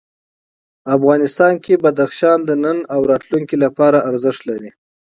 افغانستان کې بدخشان د نن او راتلونکي لپاره ارزښت لري.